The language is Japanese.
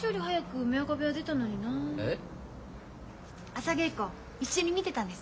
朝稽古一緒に見てたんです。